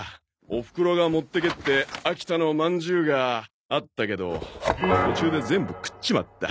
おふくろが持ってけって秋田の饅頭があったけど途中で全部食っちまった。